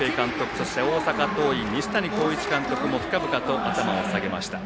そして大阪桐蔭、西谷浩一監督も深々と頭を下げました。